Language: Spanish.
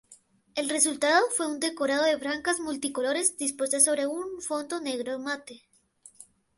El resultado, fue un decorado de franjas multicolores, dispuestas sobre un fondo negro mate.